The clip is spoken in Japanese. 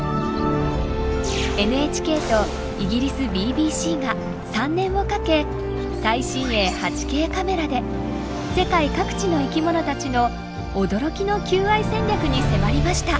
ＮＨＫとイギリスＢＢＣが３年をかけ最新鋭８Ｋカメラで世界各地の生きものたちの驚きの求愛戦略に迫りました。